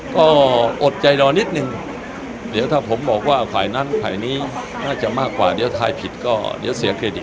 ก็อดใจรอนิดนึงเดี๋ยวถ้าผมบอกว่าฝ่ายนั้นฝ่ายนี้น่าจะมากกว่าเดี๋ยวทายผิดก็เดี๋ยวเสียเครดิต